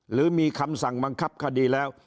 หรือมีคำสั่งบังคับคดีแล้ว